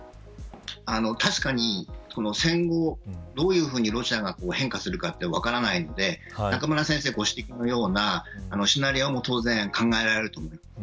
確かに、戦後どういうふうにロシアが変化するかというのは分からないので中村先生ご指摘のようなシナリオも当然考えられると思います。